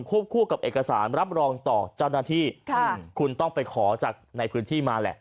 คู่กับเอกสารรับรองต่อเจ้าหน้าที่ค่ะคุณต้องไปขอจากในพื้นที่มาแหละ